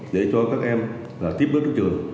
để cho các em tiếp bước đến trường